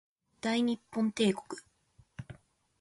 大日本帝国